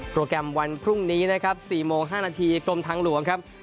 แกรมวันพรุ่งนี้นะครับ๔โมง๕นาทีกรมทางหลวงครับ